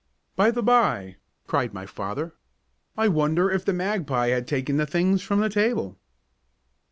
"By the by," cried my father, "I wonder if the magpie has taken the things from the table!"